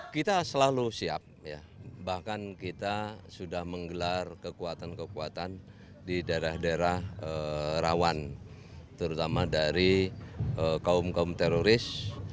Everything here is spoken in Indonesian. kita selalu siap bahkan kita sudah menggelar kekuatan kekuatan di daerah daerah rawan terutama dari kaum kaum teroris